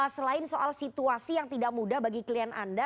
selain soal situasi yang tidak mudah bagi klien anda